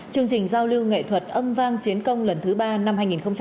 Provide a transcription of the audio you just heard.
chương trình giao lưu nghệ thuật âm vang chiến công lần thứ ba năm hai nghìn một mươi chín